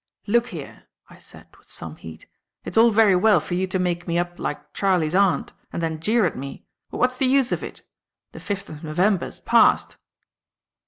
"Look here," I said, with some heat, "it's all very well for you to make me up like Charley's Aunt and then jeer at me, but what's the use of it? The fifth of November's past."